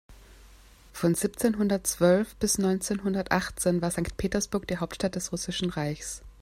Von siebzehnhundertzwölf bis neunzehnhundertachtzehn war Sankt Petersburg die Hauptstadt des Russischen Reichs.